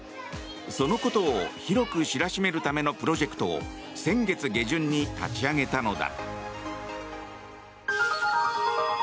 そのことを広く知らしめるためのプロジェクトを先月下旬に立ち上げたのだ。